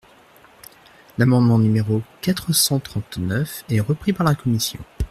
L’amendement numéro quatre cent trente-neuf est repris par la commission.